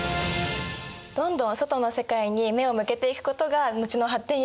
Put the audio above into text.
どんどん外の世界に目を向けていくことが後の発展につながるんだね。